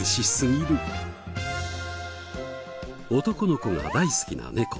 男の子が大好きな猫。